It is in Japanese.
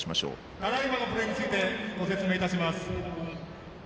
ただいまのプレーについてご説明いたします。